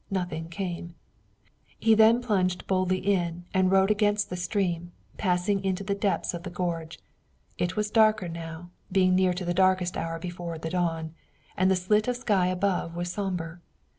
None came. Then he plunged boldly in and rode against the stream, passing into the depths of the gorge. It was darker now, being near to that darkest hour before the dawn, and the slit of sky above was somber.